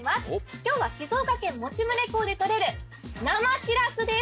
今日は静岡県用宗港で取れる生しらすです！